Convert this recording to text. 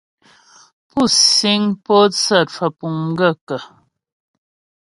Pú síŋ pótsə́ cwə̀pùŋ m gaə̂ kə́ ?